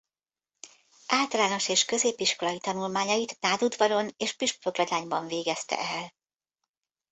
Általános és középiskolai tanulmányait Nádudvaron és Püspökladányban végezte el.